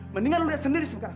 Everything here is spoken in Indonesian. mendingan lihat sendiri sekarang